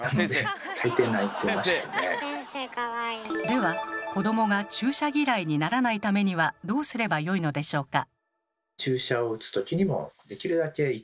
では子どもが注射嫌いにならないためにはどうすればよいのでしょうか？